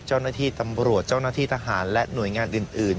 เจ้าหน้าที่ตำรวจเจ้าหน้าที่ทหารและหน่วยงานอื่น